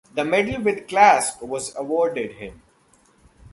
The medal with clasp was awarded him.